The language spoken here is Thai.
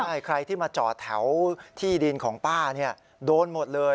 ใช่ใครที่มาจอดแถวที่ดินของป้าเนี่ยโดนหมดเลย